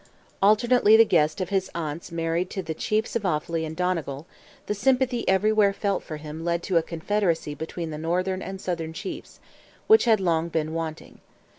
Alternately the guest of his aunts married to the chiefs of Offally and Donegal, the sympathy everywhere felt for him led to a confederacy between the Northern and Southern Chiefs, which had long been wanting.